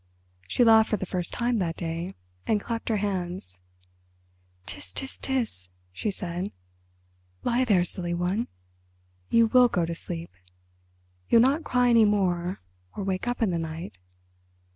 She laughed for the first time that day, and clapped her hands. "Ts—ts—ts!" she said, "lie there, silly one; you will go to sleep. You'll not cry any more or wake up in the night.